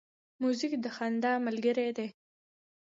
موزیک د خندا ملګری دی.